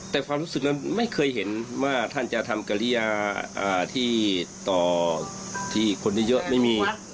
แต่ความรู้สึกนั้นไม่เคยเห็นว่าท่านจะทำกริยาที่ต่อที่คนเยอะไม่มี